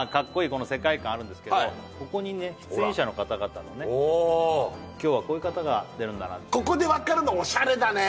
この世界観あるんですけどここにね出演者の方々のね今日はこういう方が出るんだなってオシャレだね